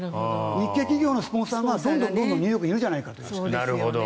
日系企業のスポンサーがどんどんニューヨークにいるじゃないかと。